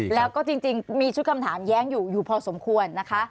แล้วก็จริงมีชุดคำถามแย้งอยู่อยู่พอสมควรนะคะ